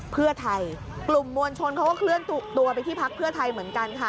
เพื่อไทยกลุ่มมวลชนเขาก็เคลื่อนตัวไปที่พักเพื่อไทยเหมือนกันค่ะ